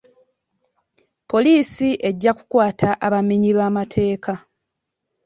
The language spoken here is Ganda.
Poliisi ejja kukwata abamenyi b'amateeka.